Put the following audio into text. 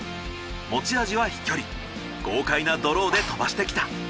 持ち味は飛距離豪快なドローで飛ばしてきた。